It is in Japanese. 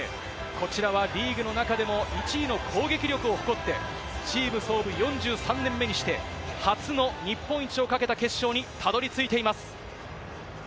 こちらはリーグの中でも１位の攻撃力を誇って、チーム創部４３年目にして、初の日本一を懸けた決勝にたどり着いています。